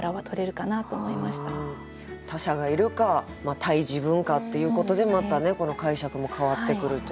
他者がいるか対自分かっていうことでまたねこの解釈も変わってくるという。